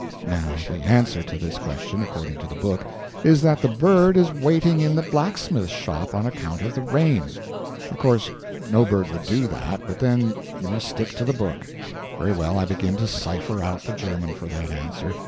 Now the answer to this question according to the book is that the bird is waiting in the blacksmith shop on account of the rain. Of course no bird would do that, but then you must stick to the book. Very well, I begin to cipher out the German for that answer.